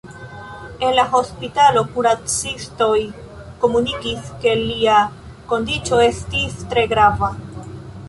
En la hospitalo, kuracistoj komunikis, ke lia kondiĉo estis tre grava.